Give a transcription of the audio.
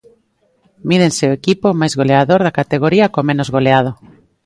Mídense o equipo máis goleador da categoría co menos goleado.